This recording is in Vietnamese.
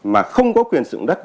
mà không có quyền sử dụng đất